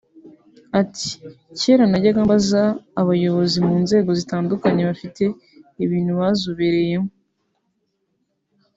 Ati “Kera najyaga mbaza abayobozi mu nzego zitandukanye bafite ibintu bazobereyemo